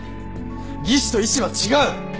技師と医師は違う！